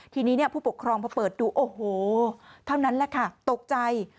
ทีนี้ผู้ปกครองพอเปิดดูโอ้โหเท่านั้นแหละค่ะตกใจ